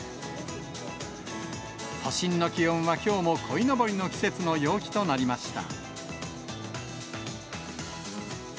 都心の気温はきょうもこいのぼりの季節の陽気となりました。